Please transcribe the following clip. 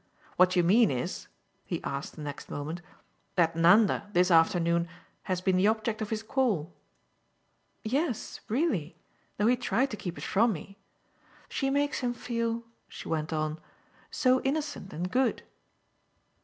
What you mean is," he asked the next moment, "that Nanda, this afternoon, has been the object of his call?" "Yes really; though he tried to keep it from me. She makes him feel," she went on, "so innocent and good."